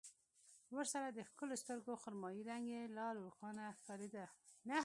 ورسره د ښکلو سترګو خرمايي رنګ يې لا روښانه ښکارېده.